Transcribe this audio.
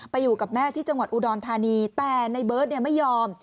อยู่กับแม่ที่จังหวัดอุดรธานีแต่ในเบิร์ตไม่ยอม